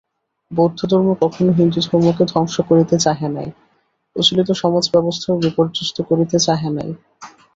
বৌদ্ধধর্ম কখনও হিন্দুধর্মকে ধ্বংস করিতে চাহে নাই, প্রচলিত সমাজ-ব্যবস্থাও বিপর্যস্ত করিতে চাহে নাই।